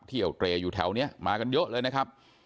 เที่ยวเตรอยู่แถวนี้มากันเยอะเลยนะครับ